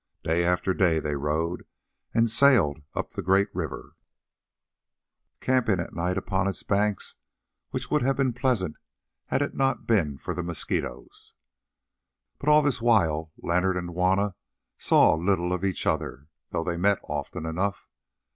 Day after day they rowed and sailed up the great river, camping at night upon its banks, which would have been pleasant had it not been for the mosquitoes. But all this while Leonard and Juanna saw little of each other, though they met often enough.